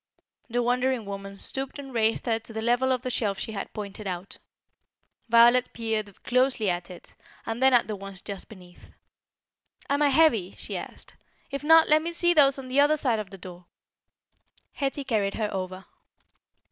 The wondering woman stooped and raised her to the level of the shelf she had pointed out. Violet peered closely at it and then at the ones just beneath. "Am I heavy?" she asked; "if not, let me see those on the other side of the door." Hetty carried her over.